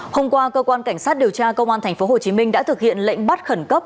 hôm qua cơ quan cảnh sát điều tra công an tp hcm đã thực hiện lệnh bắt khẩn cấp